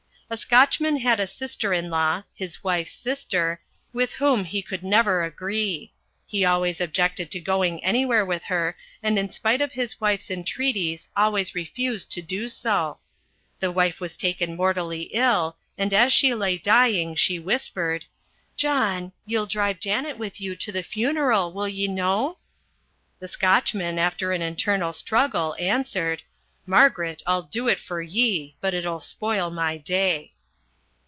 A Scotchman had a sister in law his wife's sister with whom he could never agree. He always objected to going anywhere with her, and in spite of his wife's entreaties always refused to do so. The wife was taken mortally ill and as she lay dying, she whispered, "John, ye'll drive Janet with you to the funeral, will ye no?" The Scotchman, after an internal struggle, answered, "Margaret, I'll do it for ye, but it'll spoil my day."